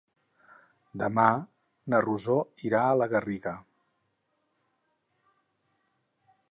Demà na Rosó irà a la Garriga.